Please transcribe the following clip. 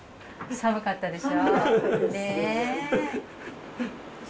寒かったでしょ。